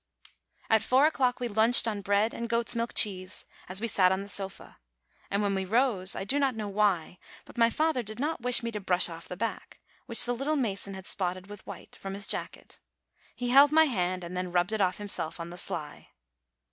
At four o'clock we lunched on bread and goat's milk cheese, as we sat on the sofa; and when we rose, I do not know why, but my father did not wish me to brush off the back, which the little mason had spotted with white, from his jacket : he held my hand, and then rubbed it off himself on the sly.